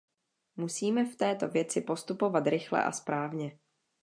Musíme v této věci postupovat rychle a správně.